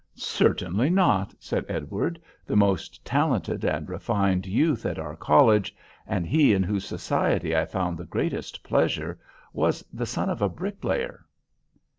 "Certainly not," said Edward, "the most talented and refined youth at our college, and he in whose society I found the greatest pleasure, was the son of a bricklayer."